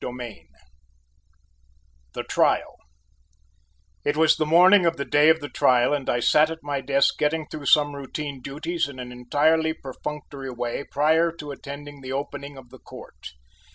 CHAPTER X THE TRIAL It was the morning of the day of the trial and I sat at my desk getting through some routine duties in an entirely perfunctory way prior to attending the opening of the court.